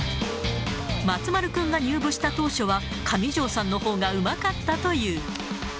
松丸君が入部した当初は、上條さんのほうがうまかったという。